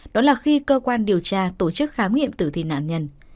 đó là khi cơ quan điều tra tổ chức khám nghiệm tử thi nạn nhân